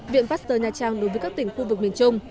viện pasteur nha trang đối với các tỉnh khu vực miền trung